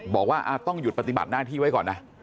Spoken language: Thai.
บอกว่าต้องหยุดปฏิบัติหน้าที่ไว้ก่อนนะ